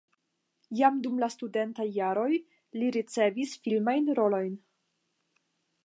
Jam dum la studentaj jaroj li ricevis filmajn rolojn.